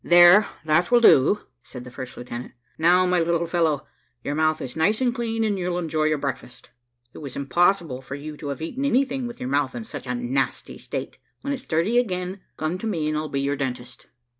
"There, that will do," said the first lieutenant. "Now, my little fellow, your mouth is nice and clean, and you'll enjoy your breakfast. It was impossible for you to have eaten anything with your mouth in such a nasty state. When it's dirty again, come to me and I'll be your dentist."